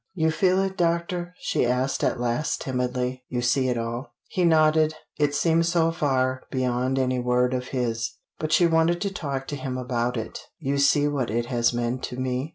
"You feel it, doctor?" she asked at last, timidly. "You see it all?" He nodded. It seemed so far beyond any word of his. But she wanted to talk to him about it. "You see what it has meant to me?